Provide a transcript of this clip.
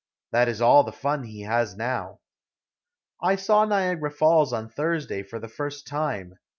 That is all the fun he has now. I saw Niagara Falls on Thursday for the first time.